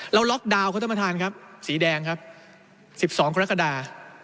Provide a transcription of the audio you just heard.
เราล็อกดาวน์เขาท่านประธานครับสีแดงครับสิบสองคนลักษณะ